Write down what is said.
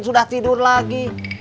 sudah tidur lagi